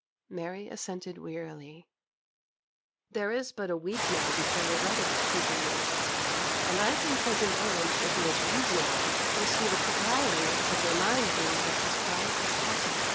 Mary assented wearily. 'There is but a week now before your wedding,' continued Mrs. Scudder, 'and I think cousin James, if he is reasonable, will see the propriety of your mind being kept as quiet as possible.